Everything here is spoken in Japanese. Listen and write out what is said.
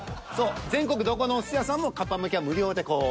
全国どこのお寿司屋さんもカッパ巻きは無料でこう。